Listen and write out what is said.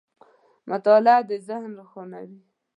• مطالعه د ذهن روښانوي.